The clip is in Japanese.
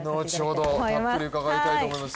後ほどたっぷり伺いたいと思います。